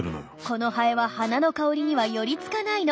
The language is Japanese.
このハエは花の香りには寄り付かないの。